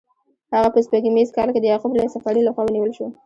هغه په سپوږمیز کال کې د یعقوب لیث صفاري له خوا ونیول شو.